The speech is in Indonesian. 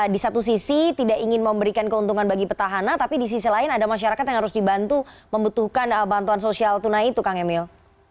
di satu sisi tidak ingin memberikan keuntungan bagi petahana tapi di sisi lain ada masyarakat yang harus dibantu membutuhkan bantuan sosial tunai itu kang emil